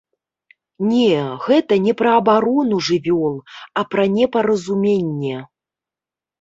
Не, гэта не пра абарону жывёл, а пра непаразуменне.